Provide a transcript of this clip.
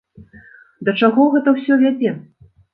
Да чаго гэта ўсё вядзе?